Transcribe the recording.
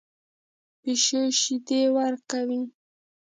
پیشو شیدې ورکوي